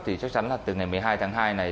thì chắc chắn là từ ngày một mươi hai tháng hai này